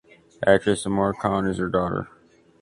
Actress Amar Khan is her daughter.